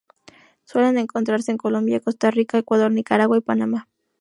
Suelen encontrarse en Colombia, Costa Rica, Ecuador, Nicaragua y Panamá.